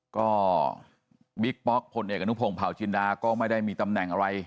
ก็บิ๊กป๊อกพลเอกอนุพงศ์เผาจินดาก็ไม่ได้มีตำแหน่งอะไร